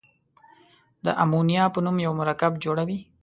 د امونیا په نوم یو مرکب جوړوي.